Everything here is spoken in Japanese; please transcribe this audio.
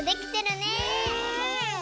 ねえ！